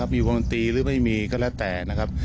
มีบัญตีหรือไม่มีก็แล้วแต่